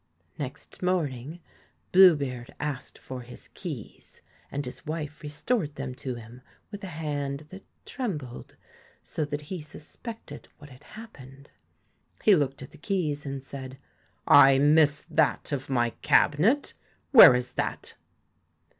Next morning Blue beard asked for his keys, and his wife restored them to him with a hand that trembled so that he suspected what had happened. He looked at the keys and said: 'I miss that of my cabinet Where is that